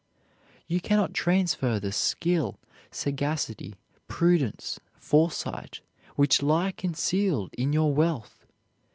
You cannot transfer the skill, sagacity, prudence, foresight, which lie concealed in your wealth.